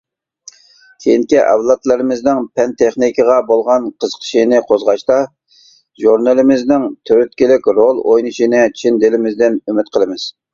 كېيىنكى ئەۋلادلىرىمىزنىڭ پەن تېخنىكىغا بولغان قىزىقىشىنى قوزغاشتا، ژۇرنىلىمىزنىڭ تۈرتكىلىك رول ئوينىشىنى چىن دىلىمىزدىن ئۈمىد قىلىمىز.